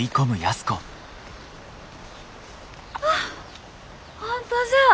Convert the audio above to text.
あっ本当じゃあ。